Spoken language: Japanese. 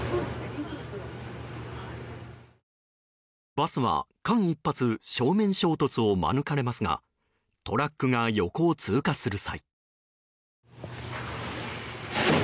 バスは間一髪正面衝突を免れますがトラックが横を通過する際。